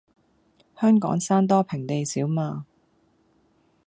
香港山多平地少嘛